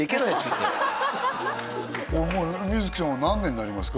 それ観月さんは何年になりますか？